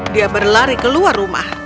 dia berlari keluar rumah